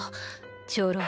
ちょろい。